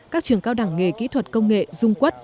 các trường cao đẳng nghề kỹ thuật công nghệ dung quất